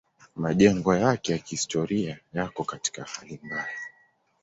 Majengo yake ya kihistoria yako katika hali mbaya.